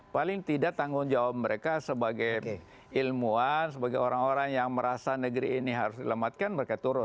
paling tidak tanggung jawab mereka sebagai ilmuwan sebagai orang orang yang merasa negeri ini harus dilematkan mereka turun